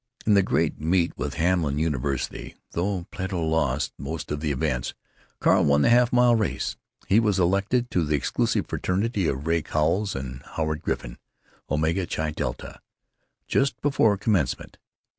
In the great meet with Hamlin University, though Plato lost most of the events, Carl won the half mile race. He was elected to the exclusive fraternity of Ray Cowles and Howard Griffin, Omega Chi Delta, just before Commencement.